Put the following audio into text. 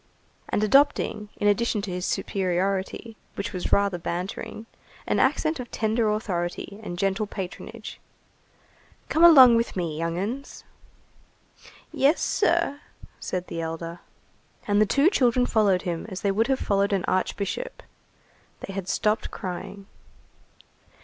And adopting, in addition to his superiority, which was rather bantering, an accent of tender authority and gentle patronage:— "Come along with me, young 'uns!" "Yes, sir," said the elder. And the two children followed him as they would have followed an archbishop. They had stopped crying.